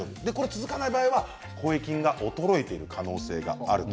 続かない場合は声筋が衰えている可能性がある。